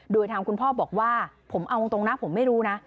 โดยทางคุณพ่อบอกว่าผมเอาตรงนะผมไม่รู้นะ